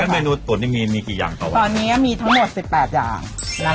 แล้วเมนูตุ๋นที่มีมีกี่อย่างต่อไปตอนนี้มีทั้งหมดสิบแปดอย่างนะคะ